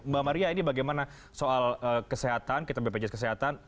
mbak maria ini bagaimana soal kesehatan kita bpjs kesehatan